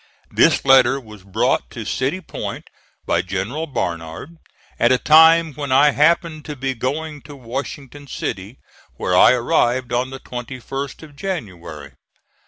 This letter was brought to City Point by General Barnard at a time when I happened to be going to Washington City, where I arrived on the 21st of January.